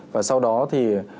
và sau đó thì